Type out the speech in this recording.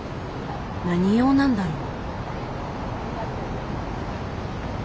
何用なんだろう？